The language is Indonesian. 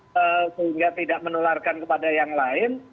sehingga tidak menularkan kepada yang lain